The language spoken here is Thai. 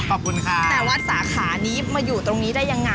ขอบคุณค่ะแต่วัดสาขานี้มาอยู่ตรงนี้ได้ยังไง